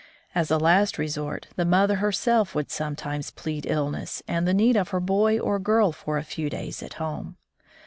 As a last resort, the mother herself would some times plead illness and the need of her boy or girl for a few days at home.